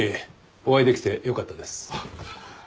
お会いできてよかったです。